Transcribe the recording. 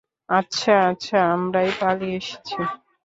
আচ্ছা আচ্ছা, আমরাই পালিয়ে এসেছি।